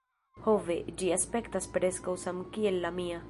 "Ho, ve. Ĝi aspektas preskaŭ samkiel la mia!"